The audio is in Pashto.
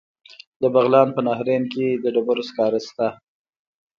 د بغلان په نهرین کې د ډبرو سکاره شته.